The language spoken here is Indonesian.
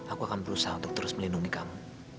aku akan berusaha untuk terus melindungi kamu